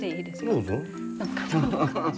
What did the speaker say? どうぞ。